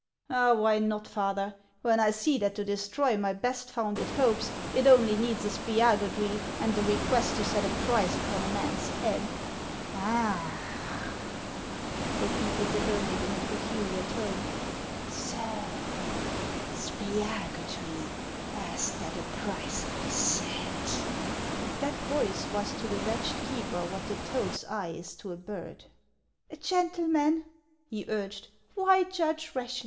" Oh, why not, Father, when I see that to destroy my best founded hopes it only needs a Spiagudry, and a request to set a price upon a man's head ?"" Ah !" repeated the hermit, in a peculiar tone ;" so Spiagudry asked that a price be set!" HANS OF ICELAND. 163 That voice was to the wretched keeper what the toad's eye is to a bird. " Gentlemen," he urged, " why judge rashly